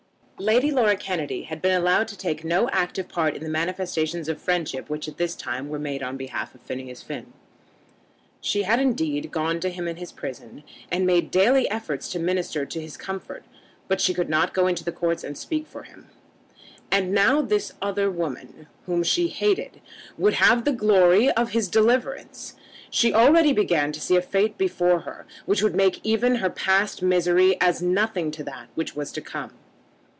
Lady Laura Kennedy had been allowed to take no active part in the manifestations of friendship which at this time were made on behalf of Phineas Finn. She had, indeed, gone to him in his prison, and made daily efforts to administer to his comfort; but she could not go up into the Court and speak for him. And now this other woman, whom she hated, would have the glory of his deliverance! She already began to see a fate before her, which would make even her past misery as nothing to that which was to come.